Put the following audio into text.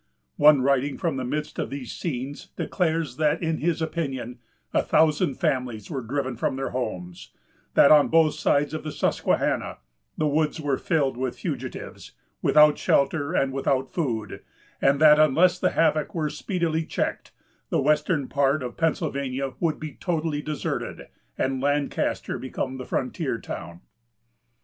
One writing from the midst of these scenes declares that, in his opinion, a thousand families were driven from their homes; that, on both sides of the Susquehanna, the woods were filled with fugitives, without shelter and without food; and that, unless the havoc were speedily checked, the western part of Pennsylvania would be totally deserted, and Lancaster become the frontier town.